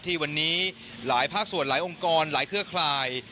ที่วันนี้หลายภาคส่วนหลายองค์กรหลายเครือคลาย